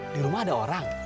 di rumah ada orang